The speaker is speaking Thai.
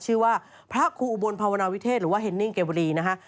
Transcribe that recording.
ชื่อว่าพระครูอุบลภาวนาวิเทศหรือว่าเฮนนิ่งเกวรีนะฮะ